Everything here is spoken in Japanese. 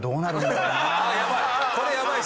ヤバい！